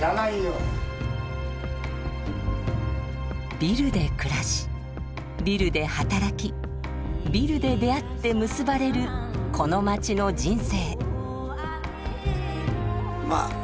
ビルで暮らしビルで働きビルで出会って結ばれるこの街の人生。